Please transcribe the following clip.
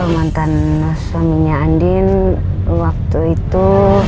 mantan suaminya andin waktu itu